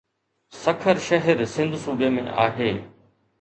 سکر شهر سنڌ صوبي ۾ آهي.